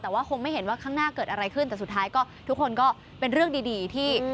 แต่ว่าคงไม่เห็นว่าข้างหน้าเกิดอะไรขึ้นแต่สุดท้ายก็ทุกคนก็เป็นเรื่องดีที่